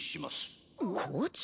校長？